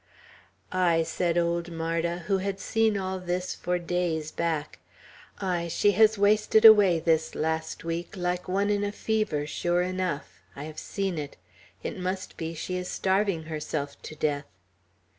"Ay," said old Marda, who had seen all this for days back; "ay, she has wasted away, this last week, like one in a fever, sure enough; I have seen it. It must be she is starving herself to death."